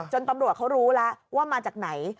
ตำรวจเขารู้แล้วว่ามาจากไหน